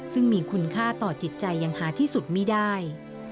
ซึ่งมีคุณค่าต่อจิตใจยังหาที่สุดไม่ได้